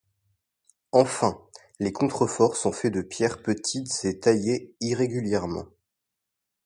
Enfin, les contreforts sont faits de pierres petites et taillées irrégulièrement.